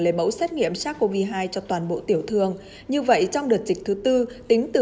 lấy mẫu xét nghiệm sars cov hai cho toàn bộ tiểu thương như vậy trong đợt dịch thứ tư tính từ